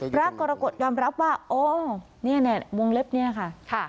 พระกรกฎยอมรับว่าโอ้เนี่ยวงเล็บเนี่ยค่ะ